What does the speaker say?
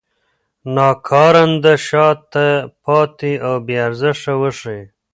ناکارنده، شاته پاتې او بې ارزښته وښيي.